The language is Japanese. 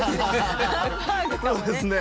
そうですね。